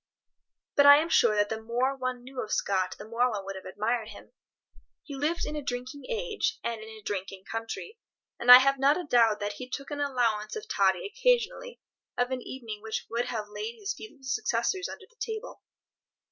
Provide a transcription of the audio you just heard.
But I am sure that the more one knew of Scott the more one would have admired him. He lived in a drinking age, and in a drinking country, and I have not a doubt that he took an allowance of toddy occasionally of an evening which would have laid his feeble successors under the table.